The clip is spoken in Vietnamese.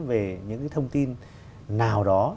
về những cái thông tin nào đó